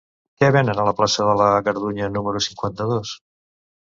Què venen a la plaça de la Gardunya número cinquanta-dos?